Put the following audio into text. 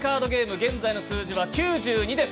現在の数字は９２です。